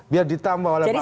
biar ditambah oleh pak